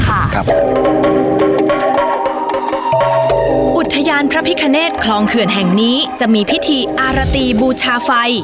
อุทยานพระพิคเนตคลองเขื่อนแห่งนี้จะมีพิธีอารตีบูชาไฟ